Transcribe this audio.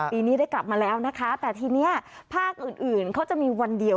ปีนี้ได้กลับมาแล้วนะคะแต่ทีนี้ภาคอื่นอื่นเขาจะมีวันเดียว